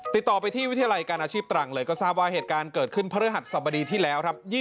ติดต่อไปที่วิทยาลัยการอาชีพตรังเลยก็ทราบว่าเหตุการณ์เกิดขึ้นพระฤหัสสบดีที่แล้วครับ